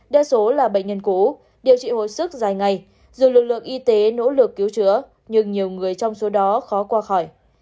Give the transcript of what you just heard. đa số là bệnh nhân cú điều trị hồi sức dài ngày dù lực lượng y tế nỗ lực cứu chữa nhưng nhiều người trong số đó khó qua khỏi